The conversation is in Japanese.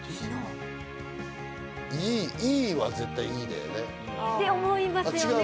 「いい」は絶対いいだよね。って思いますよね。